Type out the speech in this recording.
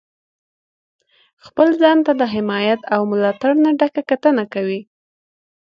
خپل ځان ته د حمایت او ملاتړ نه ډکه کتنه کوئ.